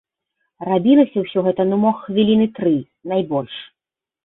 Рабілася ўсё гэта ну мо хвіліны тры, найбольш.